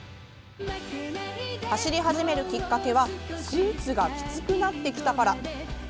走り始めるきっかけはスーツがきつくなってきたから。